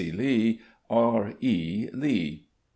C. Lee. R. E. Lee."